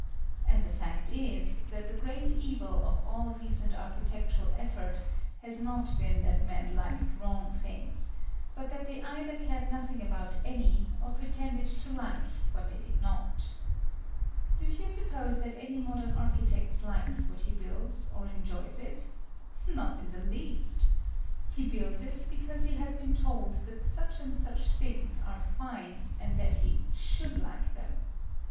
And the fact is, that the great evil of all recent architectural effort has not been that men liked wrong things: but that they either cared nothing about any, or pretended to like what they did not. Do you suppose that any modern architect likes what he builds, or enjoys it? Not in the least. He builds it because he has been told that such and such things are fine, and that he should like them.